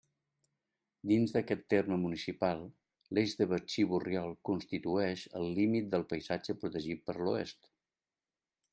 Dins d'aquest terme municipal, l'eix de Betxí Borriol constitueix el límit del paisatge protegit per l'oest.